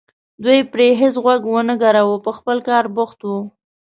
دوی پرې هېڅ غوږ ونه ګراوه په خپل کار بوخت وو.